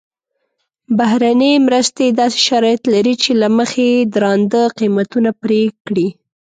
بهرنۍ مرستې داسې شرایط لري چې له مخې یې درانده قیمتونه پرې کړي.